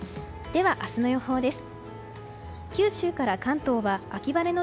では、明日の予報です。